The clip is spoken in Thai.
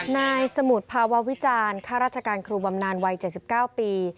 นายสมุทรภาวะวิจารณ์ข้าราชการครูบำนานวัย๗๙ปี